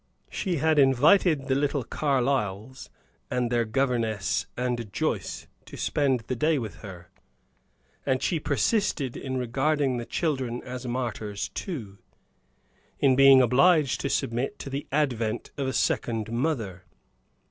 She had invited the little Carlyles and their governess and Joyce to spend the day with her; and she persisted in regarding the children as martyrs too, in being obliged to submit to the advent of a second mother.